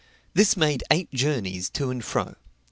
This made eight journeys to and fro.